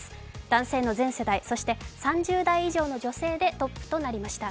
男性の全世代、そして、３０代以上の女性でトップとなりました。